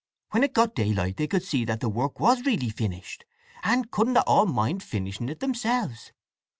When it got daylight they could see that the work was really finished, and couldn't at all mind finishing it themselves.